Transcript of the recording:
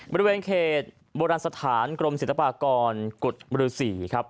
บริเวณเขตโบราณสถานกรมศิลปากรกุฎบริษฐี